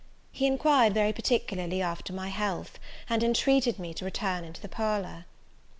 He enquired very particularly after my health, and entreated me to return into the parlour.